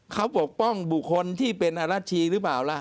เขาปกป้องบุคคลที่เป็นอรัชชีหรือเปล่าล่ะ